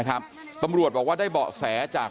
กลุ่มตัวเชียงใหม่